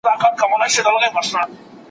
باید د الله حق ادا کړو.